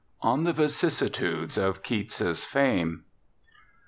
ON THE VICISSITUDES OF KEATS'S FAME.